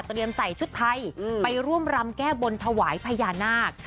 ใส่ชุดไทยไปร่วมรำแก้บนถวายพญานาค